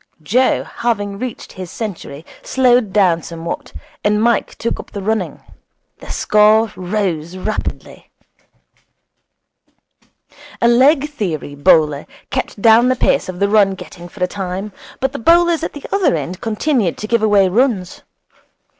Joe, having reached his century, slowed down somewhat, and Mike took up the running. The score rose rapidly. A leg theory bowler kept down the pace of the run getting for a time, but the bowlers at the other end continued to give away runs.